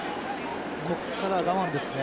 ここからは我慢ですね。